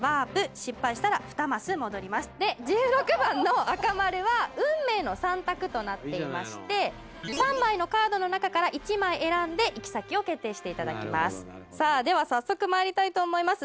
失敗したら２マス戻りますで１６番の赤丸は運命の３択となっていまして３枚のカードの中から１枚選んで行き先を決定していただきますさあでは早速まいりたいと思います